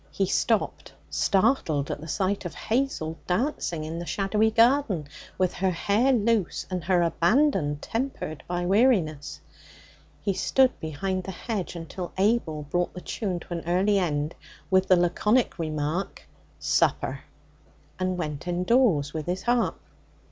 He stopped, startled at the sight of Hazel dancing in the shadowy garden with her hair loose and her abandon tempered by weariness. He stood behind the hedge until Abel brought the tune to an early end with the laconic remark, 'Supper,' and went indoors with his harp.